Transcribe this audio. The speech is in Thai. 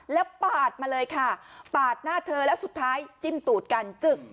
แล้วปาดมาเลยค่ะปาดหน้าเธอแล้วสุดท้ายจิ้มตูดกันจึก